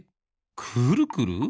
くるくる？